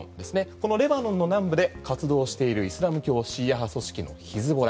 このレバノンの南部で活動しているイスラム教シーア派組織のヒズボラ。